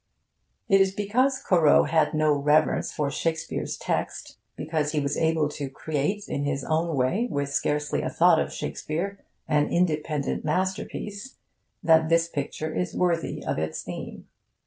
It is because Corot had no reverence for Shakespeare's text because he was able to create in his own way, with scarcely a thought of Shakespeare, an independent masterpiece that this picture is worthy of its theme.